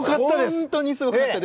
本当にすごかった！